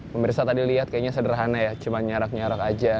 pemirsa tadi lihat kayaknya sederhana ya cuma nyarak nyarak aja